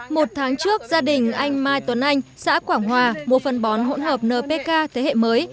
một tháng trước gia đình anh mai tuấn anh xã quảng hòa mua phân bón hỗn hợp npk thế hệ mới